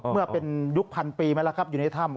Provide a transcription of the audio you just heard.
เมื่อเป็นยุคพันปีมาแล้วครับอยู่ในถ้ำ